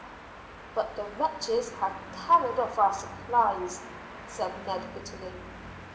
"But the wretches have carried off our supplies," said Ned bitterly.